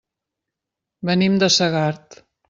Venim de Segart.